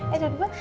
eh dari mana